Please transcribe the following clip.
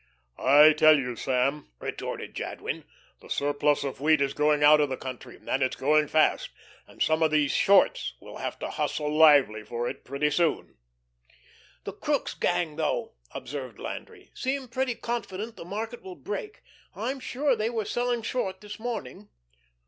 "I tell you, Sam," retorted Jadwin, "the surplus of wheat is going out of the country and it's going fast. And some of these shorts will have to hustle lively for it pretty soon." "The Crookes gang, though," observed Landry, "seem pretty confident the market will break. I'm sure they were selling short this morning."